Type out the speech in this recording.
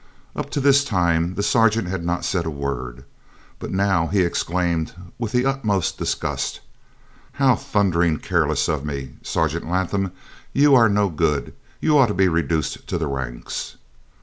Up to this time the sergeant had not said a word, but now he exclaimed, with the utmost disgust, "How thundering careless of me! Sergeant Latham, you are no good; you ought to be reduced to the ranks."